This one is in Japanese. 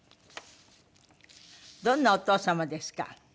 「どんなお父様ですか？」